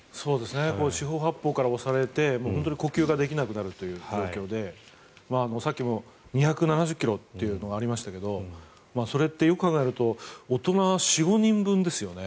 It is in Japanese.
四方八方から押されて本当に呼吸ができなくなるという状況でさっきも２７０ｋｇというのがありましたがそれってよく考えると大人４５人分ですよね